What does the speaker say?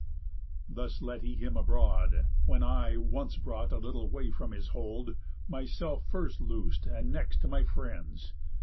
Thus let he him abroad; when I, once brought A little from his hold, myself first los'd, And next my friends.